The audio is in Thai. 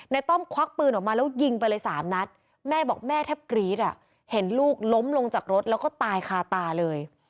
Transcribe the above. ต้อมควักปืนออกมาแล้วยิงไปเลย๓นัดแม่บอกแม่แทบกรี๊ดอ่ะเห็นลูกล้มลงจากรถแล้วก็ตายคาตาเลย